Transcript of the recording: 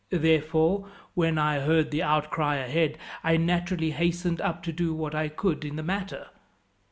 Therefore when I heard the outcry ahead, I naturally hastened up to do what I could in the matter."